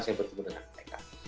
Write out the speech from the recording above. saya bertemu dengan mereka